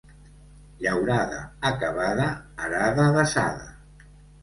Llaurada acabada, arada desada.